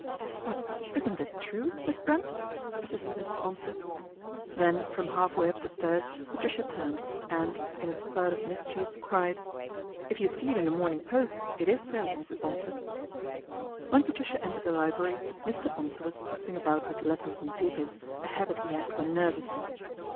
" But isn't it true, Miss Brent ?" persisted Mrs. Bonsor. Then from half way up the stairs Patricia turned and, in a spurt of mischief, cried, " If you see it in The Morning Post it is so, Mrs. Bonsor." When Patricia entered the library Mr. Bonsor was fussing about with letters and papers, a habit he had when nervous.